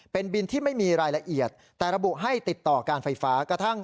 เป็นบินที่ไม่มีรายละเอียดแต่ระบุให้ติดต่อการไฟฟ้ากระทั่ง